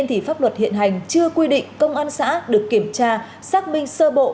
thì pháp luật hiện hành chưa quy định công an xã được kiểm tra xác minh sơ bộ